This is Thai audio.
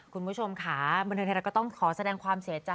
คุณผู้ชมค่ะบันเทิงไทยรัฐก็ต้องขอแสดงความเสียใจ